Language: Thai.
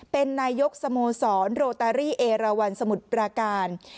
เป็นนายกสโมสรโรตารี่เอราวันสมุทรปราการ